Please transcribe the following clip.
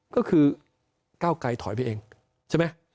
ก็คือก้าวไกลถอยไปเองใช่ไหม